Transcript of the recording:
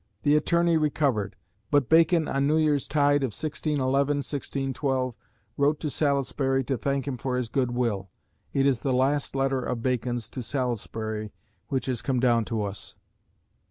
The Attorney recovered, but Bacon, on New Year's Tide of 1611/12, wrote to Salisbury to thank him for his good will. It is the last letter of Bacon's to Salisbury which has come down to us.